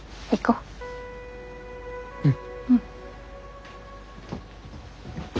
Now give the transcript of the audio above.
うん。